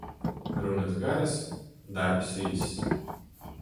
Runas garas, darbs īss.